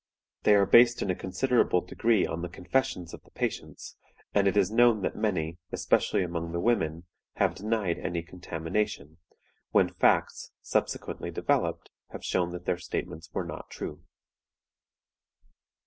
They are based in a considerable degree on the confessions of the patients; and it is known that many, especially among the women, have denied any contamination, when facts, subsequently developed, have shown that their statements were not true.